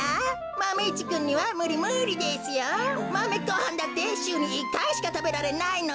マメごはんだってしゅうに１かいしかたべられないのに。